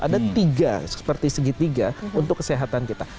ada tiga seperti segitiga untuk kesehatan kita